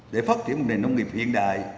để phát triển một nền nông nghiệp hiện đại